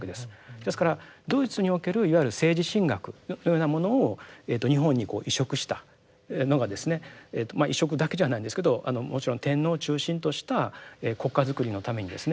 ですからドイツにおけるいわゆる政治神学というようなものを日本にこう移植したのがですねまあ移植だけじゃないんですけどもちろん天皇を中心とした国家づくりのためにですね